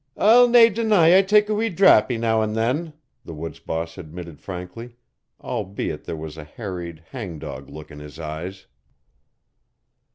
"I'll nae deny I take a wee drappie now an' then," the woods boss admitted frankly, albeit there was a harried, hangdog look in his eyes.